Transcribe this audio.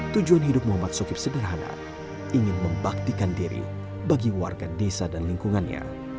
tujuan hidup muhammad sokip sederhana ingin membaktikan diri bagi warga desa dan lingkungannya